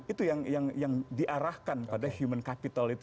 itu yang diarahkan pada human capital itu